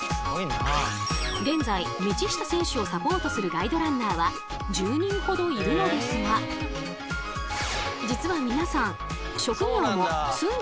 現在道下選手をサポートするガイドランナーは１０人ほどいるのですが実は皆さん職業も住んでいる地域もバラバラ。